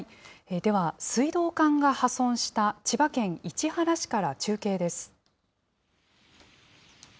では、水道管が破損した千葉県市原市から中継です。